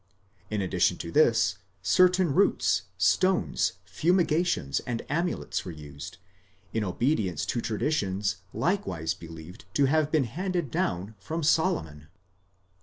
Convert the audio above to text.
In addition to this, certain roots,®" stones,*8 fumigations and amulets °° were used, in obedience to traditions likewise believed to have been handed down from Solomon.